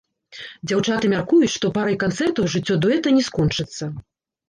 Дзяўчаты мяркуюць, што парай канцэртаў жыццё дуэта не скончыцца.